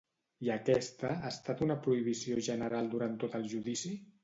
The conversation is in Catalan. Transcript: I aquesta ha estat una prohibició general durant tot el judici?